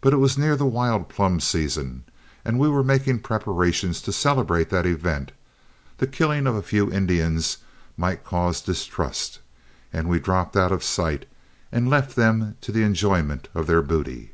But it was near the wild plum season, and as we were making preparations to celebrate that event, the killing of a few Indians might cause distrust, and we dropped out of sight and left them to the enjoyment of their booty.